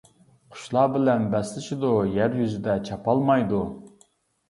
قۇشلار بىلەن بەسلىشىدۇ، يەر يۈزىدە چاپالمايدۇ.